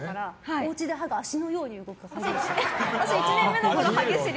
おうちで歯が足のように動くはぎしり。